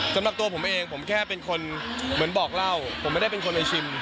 สำหรับตัวผมเองผมแค่เป็นคนเหมือนบอกเล่าผมไม่ได้เป็นคนไปชิม